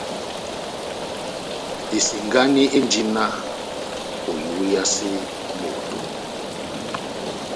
Esengani endi náh oiweyase moto.